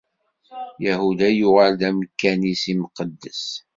Yahuda yuɣal d amkan-is imqeddes.